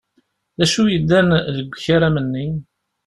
D acu yellan deg ukaram-nni?